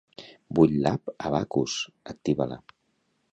Vull l'app Abacus, activa-la.